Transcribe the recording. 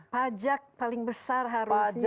pajak paling besar harusnya